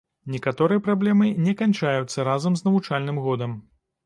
Некаторыя праблемы не канчаюцца разам з навучальным годам.